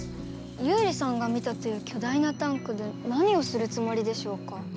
ユウリさんが見たという巨大なタンクで何をするつもりでしょうか？